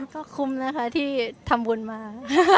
ก็คุ้มนะคะที่ทำบุญมา